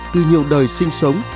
từ nhiều đời sinh sống